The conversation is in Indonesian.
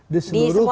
di semua daerah